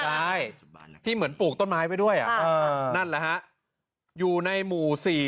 ใช่ที่เหมือนปลูกต้นไม้ไว้ด้วยนั่นแหละฮะอยู่ในหมู่สี่